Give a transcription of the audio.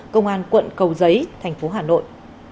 công an quận cầu giấy thành phố hà nội